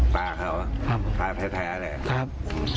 ตาเขาเหรอครับแพ้แพ้อะไรอย่างนี้ครับ